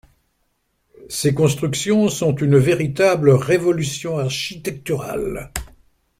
Ces constructions sont une véritable révolution architecturale.